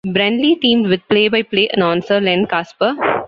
Brenly teamed with play-by-play announcer Len Kasper.